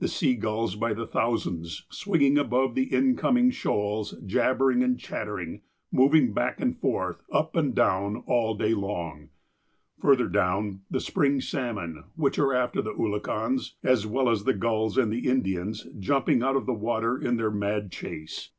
The sea gulls, by the thousands, swinging above the incoming shoals, jabbering and chattering, moving back and forth, up and down, all the day long. Further down, the spring sal mon, which are after the oolakans, as well as the gulls and the Indians, ^'umping out of the water in their mad chase.